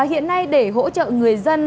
hiện nay để hỗ trợ người dân